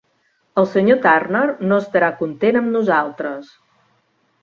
El Senyor Turner no estarà content amb nosaltres.